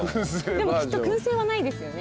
でもきっと燻製はないですよね。